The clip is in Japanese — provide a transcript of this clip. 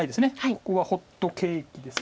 ここはホットケーキです。